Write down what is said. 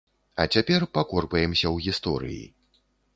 А цяпер пакорпаемся ў гісторыі.